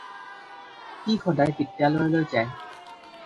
সি সদায় বিদ্যালয়লৈ যায়।